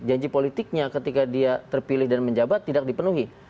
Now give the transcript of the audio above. janji politiknya ketika dia terpilih dan menjabat tidak dipenuhi